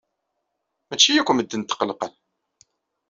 Maci akk medden tqellqen.